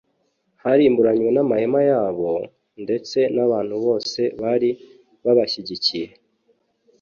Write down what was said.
harimburanywe n’amahema yabo, ndetse n’abantu bose bari babashyigikiye.